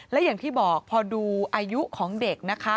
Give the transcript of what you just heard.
และอย่างที่บอกพอดูอายุของเด็กนะคะ